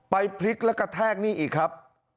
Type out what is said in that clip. ไปพลิกและกระแทกนี่อีกครับ